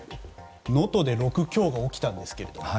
能登で６強が起きたんですけども。